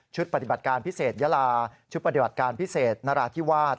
ปฏิบัติการพิเศษยาลาชุดปฏิบัติการพิเศษนราธิวาส